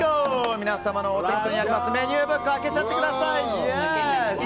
皆さんのお手元にあるメニューブック開けちゃってください！